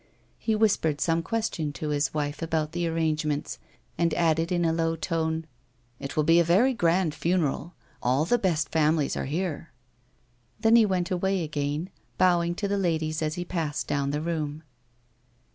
He whispered some question to his wife about the arrangements, and added in a low tone :" It will be a very grand funeral ; all the best families are here." Then he went away again, bowing to the ladies as he passed down the room.